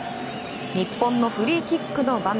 日本のフリーキックの場面。